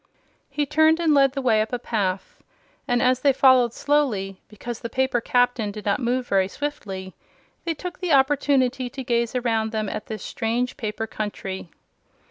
He turned and led the way up a path, and as they followed slowly, because the paper Captain did not move very swiftly, they took the opportunity to gaze around them at this strange paper country.